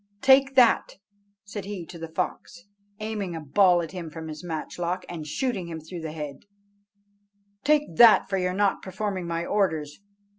"Take that," said he to the fox, aiming a ball at him from his matchlock, and shooting him through the head, "Take that for your not performing my orders.